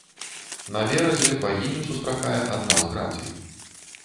На беразе багіню сустракае адна з грацый.